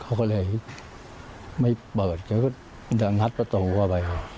เขาก็เลยไม่เปิดเขาก็จะงัดประตูเข้าไป